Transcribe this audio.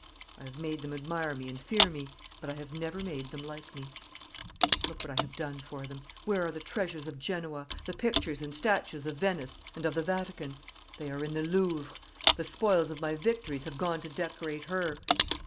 I have made them admire me and fear me, but I have never made them like me. Look what I have done for them. Where are the treasures of Genoa, the pictures and statues of Venice and of the Vatican? They are in the Louvre. The spoils of my victories have gone to decorate her.